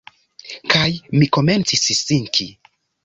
Kaj mi komencis sinki.